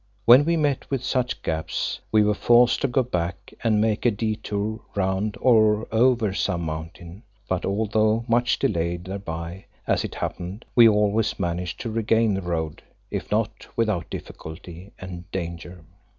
When we met with such gaps we were forced to go back and make a detour round or over some mountain; but although much delayed thereby, as it happened, we always managed to regain the road, if not without difficulty and danger.